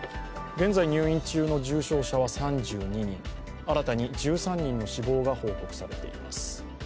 現在、入院中の重症者は３２人、新たに１３人の死亡が報告されています。